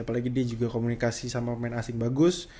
apalagi dia juga komunikasi sama pemain asing bagus